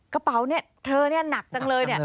กระเป๋านี่เธอนี่หนักจังเลย